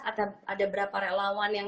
ada berapa relawan yang